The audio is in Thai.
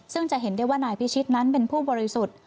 ซึ่งจะเห็นได้ว่านายพิชิตนั้นเป็นผู้บริสุทธิ์